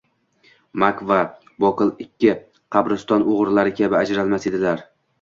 Mak va Bokl ikki qabriston o`g`rilari kabi ajralmas edilar